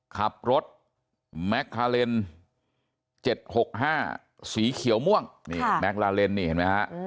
ขับรถแม็กคาเลน๗๖๕สีเขียวม่วงนี่แม็กลาเลนนี่เห็นไหมฮะ